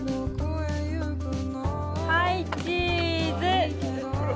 はいチーズ！